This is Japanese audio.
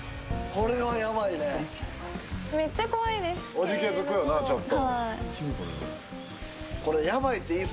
おじけづくよな、ちょっと。